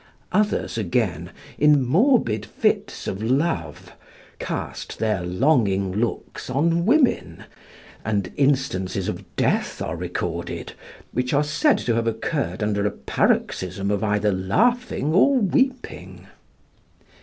Others, again, in morbid fits of love, cast their longing looks on women, and instances of death are recorded, which are said to have occurred under a paroxysm of either laughing or weeping.